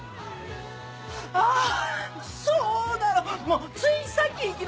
あっそうなの！